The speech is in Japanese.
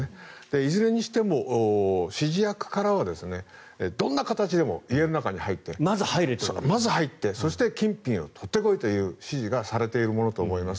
いずれにしても指示役からはどんな形でも家の中に入ってまず入ってそして金品を取って来いという指示をされているものと思います。